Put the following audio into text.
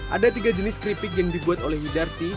ada tiga jenis keripik yang dibuat oleh yudarsi